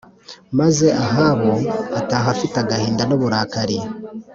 Maze Ahabu ataha afite agahinda n’uburakari